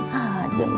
masya allah udah sudah